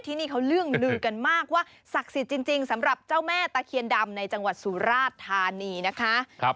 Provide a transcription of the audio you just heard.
ที่นี่เขาเรื่องลือกันมากว่าศักดิ์สิทธิ์จริงสำหรับเจ้าแม่ตะเคียนดำในจังหวัดสุราชธานีนะคะ